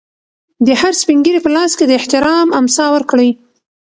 د هر سپین ږیري په لاس کې د احترام امسا ورکړئ.